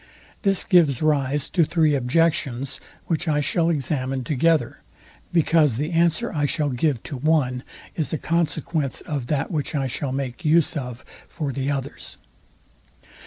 This gives rise to three objections, which I shall examine together, because the answer I shall give to one is a consequence of that which I shall make use of for the others.